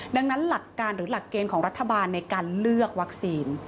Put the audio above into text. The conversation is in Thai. ดังนั้นหลักการหรือหลักเกณฑ์ของรัฐบาลในการเลือกวัคซีน